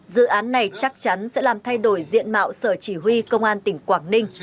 dự án này chắc chắn sẽ làm thay đổi diện mạo sở chỉ huy công an tỉnh quảng ninh